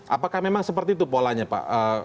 apakah memang seperti itu polanya pak